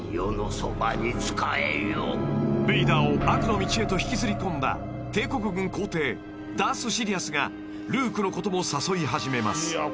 ［ベイダーを悪の道へと引きずり込んだ帝国軍皇帝ダース・シディアスがルークのことも誘い始めます］